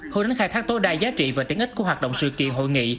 hồi đến khai thác tối đa giá trị và tiếng ích của hoạt động sự kiện hội nghị